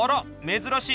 珍しい。